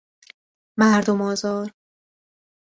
مردم آزار